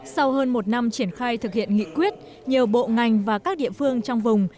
sau hơn một năm triển khai thực hiện nghị quyết nhiều bộ ngành và các địa phương trong vùng